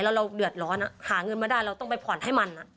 แล้วเราเดือดร้อนหาเงินมาได้เราต้องไปผ่อนให้มัน